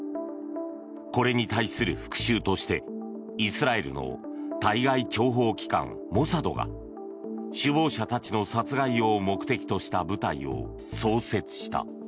これに対する復讐としてイスラエルの対外諜報機関モサドが首謀者たちの殺害を目的とした部隊を創設した。